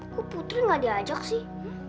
kuputri gak diajak sih